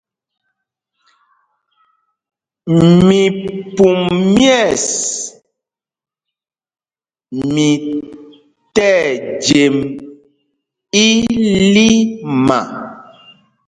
Mipum myɛ̂ɛs, mi tí ɛjem ílima.